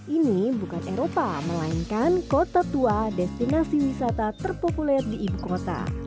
ini bukan eropa melainkan kota tua destinasi wisata terpopuler di ibu kota